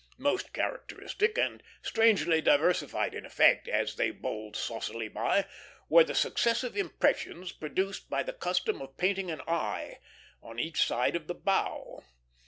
Most characteristic, and strangely diversified in effect, as they bowled saucily by, were the successive impressions produced by the custom of painting an eye on each side of the bow.